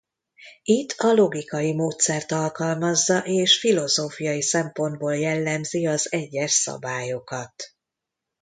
Itt a logikai módszert alkalmazza és filozófiai szempontból jellemzi az egyes szabályokat.